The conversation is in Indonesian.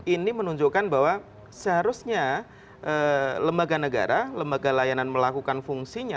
ini menunjukkan bahwa seharusnya lembaga negara lembaga layanan melakukan fungsinya